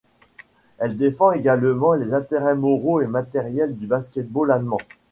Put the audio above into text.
Elle défend également les intérêts moraux et matériels du basket-ball allemand.